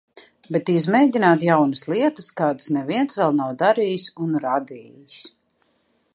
Bet izmēģināt jaunas lietas, kādas neviens vēl nav darījis un radījis.